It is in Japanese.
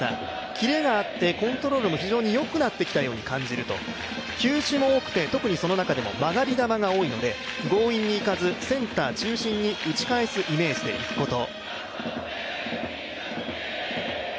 キレもあって、非常によくなってたように感じる、球種も多くて特にその中でも曲がり球が多いので強引にいかずセンター中心に打ち返すイメージでいくこと。